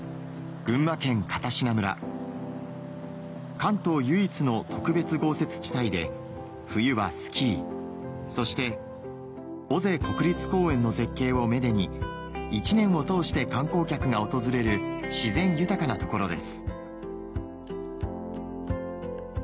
関東唯一の特別豪雪地帯で冬はスキーそして尾瀬国立公園の絶景を愛でに一年を通して観光客が訪れる自然豊かな所です